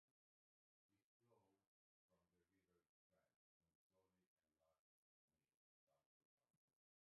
It flowed from the River Trent in Sawley to Langley Mill, south of Cromford.